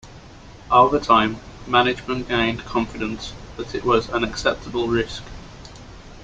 Over time, management gained confidence that it was an acceptable risk.